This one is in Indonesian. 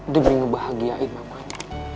demi ngebahagiain mamanya